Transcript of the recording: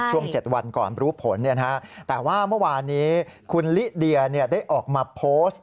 ช่วง๗วันก่อนรู้ผลเนี่ยนะแต่ว่าเมื่อวานี้คุณลิเดียเนี่ยได้ออกมาโพสต์